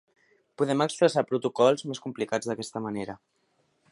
Podem expressar protocols més complicats d'aquesta manera.